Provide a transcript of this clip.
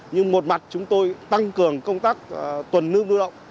nhưng một mặt chúng tôi tăng cường công tác tuần nương đu động